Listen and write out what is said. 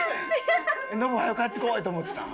ノブ早う帰って来いって思ってたん？